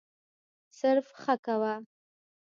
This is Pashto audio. صرف «ښه» کوه.